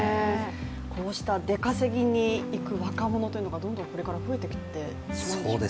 こうした出稼ぎに行く若者がどんどんこれから増えてきているんですね。